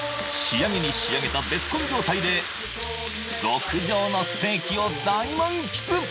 仕上げに仕上げたベスコン状態で極上のステーキを大満喫！